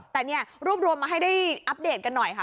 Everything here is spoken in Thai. แต่เนี่ยรวบรวมมาให้ได้อัปเดตกันหน่อยค่ะ